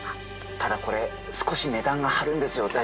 ただこれ少し値段が張るんですよ。